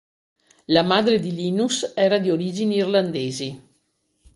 La madre di Linus era di origini irlandesi.